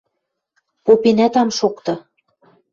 Попенӓт ам шокты